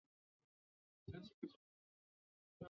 目前隶属于。